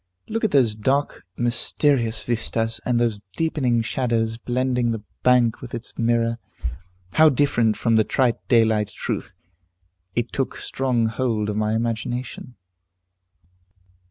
Look at those dark, mysterious vistas, and those deepening shadows blending the bank with its mirror; how different from the trite daylight truth! It took strong hold of my imagination."